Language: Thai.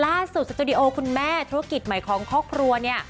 สตูดิโอคุณแม่ธุรกิจใหม่ของครอบครัวเนี่ย